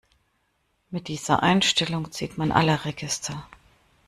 Mit dieser Einstellung zieht man alle Register.